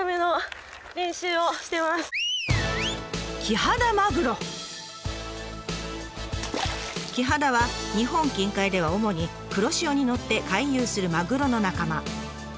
今キハダは日本近海では主に黒潮に乗って回遊するマグロの仲間。